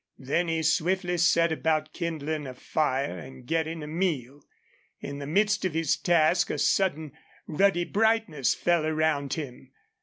Then he swiftly set about kindling a fire and getting a meal. In the midst of his task a sudden ruddy brightness fell around him.